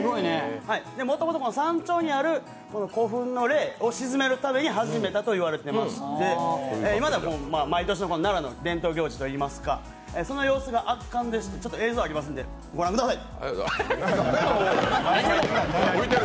もともと山頂にある古墳の霊を鎮めるために始めたと言われていまして、今では毎年、奈良の伝統行事といいますか、その様子が圧巻でして映像があるので御覧ください。